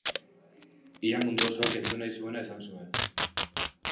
Ia mundu osoak entzun nahi zuena esan zuen.